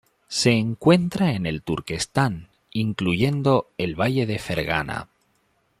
Se encuentra en el Turquestán, incluyendo el Valle de Fergana.